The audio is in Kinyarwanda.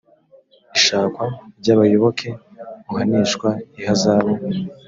ishakwa ry abayoboke uhanishwa ihazabu